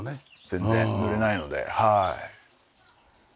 全然濡れないのではい。